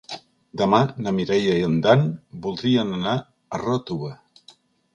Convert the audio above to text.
Demà na Mireia i en Dan voldrien anar a Ròtova.